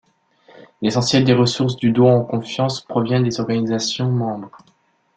L’essentiel des ressources du Don en Confiance provient des organisations membres.